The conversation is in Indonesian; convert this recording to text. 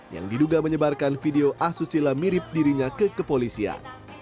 yang diduga menyebarkan video asusila mirip dirinya ke kepolisian